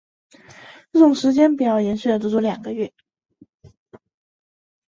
这种时间表延续了足足两个月。